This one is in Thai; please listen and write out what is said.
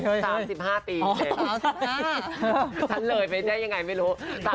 ฉันเหลื่อยไปได้ยังไงไม่รู้